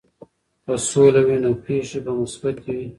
که سوله وي، نو پېښې به مثبتې وي.